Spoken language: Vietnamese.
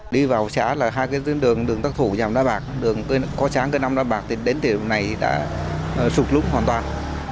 đi vào xã là hai đường đường tắc thủ cây năm đá bạc đường co sáng cây năm đá bạc đến thời điểm này đã sụt lún hoàn toàn